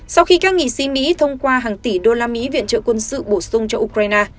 sau khi các nghị sĩ mỹ thông qua hàng tỷ usd viện trợ quân sự bổ sung cho ukraine